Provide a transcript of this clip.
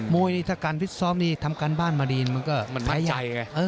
มวยถ้าการพิษซ้อมนี่ทำการบ้านมารีนมันก็มันมั่นใจ